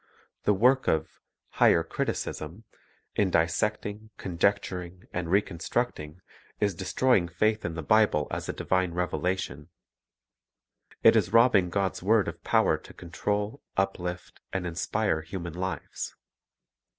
The work of "higher criticism," in dissecting, conjecturing, reconstructing, is destroying faith in the Bible as a divine revelation; it is robbing God's word of power to control, uplift, and inspire human lives.